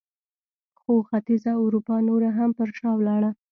خو ختیځه اروپا نوره هم پر شا ولاړه.